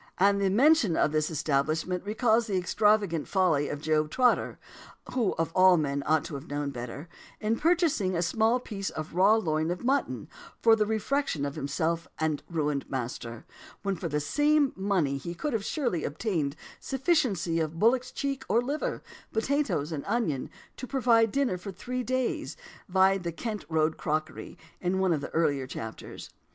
And mention of this establishment recalls the extravagant folly of Job Trotter (who of all men ought to have known better) in purchasing "a small piece of raw loin of mutton" for the refection of himself and ruined master; when for the same money he could surely have obtained a sufficiency of bullock's cheek or liver, potatoes, and onions, to provide dinner for three days. Vide the "Kent Road Cookery," in one of my earlier chapters.